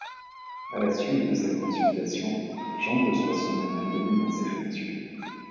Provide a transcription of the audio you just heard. À la suite de cette consultation, Jean de Soissons est maintenu dans ses fonctions.